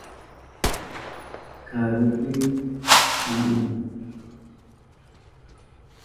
Karupi kahun.